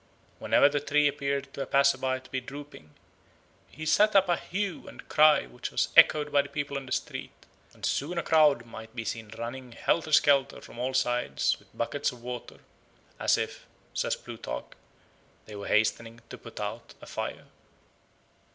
Whenever the tree appeared to a passer by to be drooping, he set up a hue and cry which was echoed by the people in the street, and soon a crowd might be seen running helter skelter from all sides with buckets of water, as if (says Plutarch) they were hastening to put out a fire.